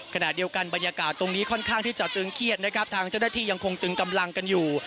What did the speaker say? ขณะเดียวกันบรรยากาศตรงนี้ค่อนข้างที่จะตึงเครียดนะครับทางเจ้าหน้าที่ยังคงตึงกำลังกันอยู่